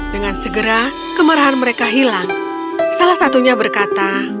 dengan segera kemarahan mereka hilang salah satunya berkata